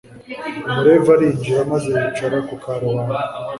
umulevi arinjira maze yicara ku karubanda